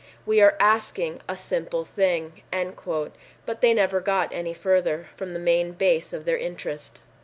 We are asking a simple thing——" But they never got any further from the main base of their interest.